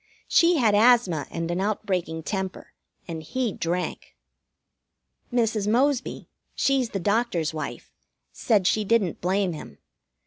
She had asthma and an outbreaking temper, and he drank. Mrs. Mosby she's the doctor's wife said she didn't blame him.